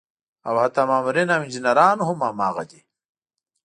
او حتا مامورين او انجينران هم هماغه دي